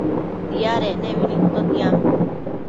Diadec nebi nidtotiambo